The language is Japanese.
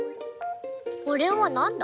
これはなんだ？